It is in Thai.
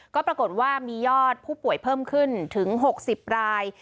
ก็ปรากฏว่ามียอดผู้ป่วยเพิ่มขึ้นถึง๖๐ราย